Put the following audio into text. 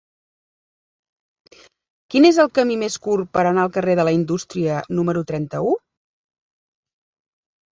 Quin és el camí més curt per anar al carrer de la Indústria número trenta-u?